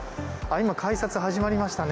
今、改札始まりましたね。